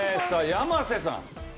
さあ山瀬さん。